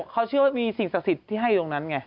เขาเชื่อว่ามีสิ่งศักดิ์สิทธิ์ที่ให้ตรงนั้นไง